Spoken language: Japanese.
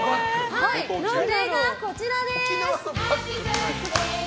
それが、こちらです！